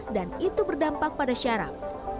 dan itu berdampak pada syaraf